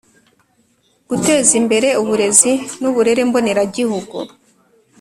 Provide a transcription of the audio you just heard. Guteza imbere uburezi n uburere mboneragihugu